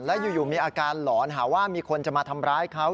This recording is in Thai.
แล้วอยู่มีอาการหลอนหาว่ามีคนจะมาทำร้ายเขา